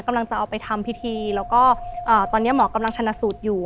เอาไปทำพิธีแล้วก็ตอนนี้หมอกำลังชนะสูตรอยู่